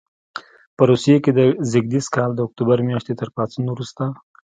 په روسیې کې د زېږدیز کال د اکتوبر میاشتې تر پاڅون وروسته.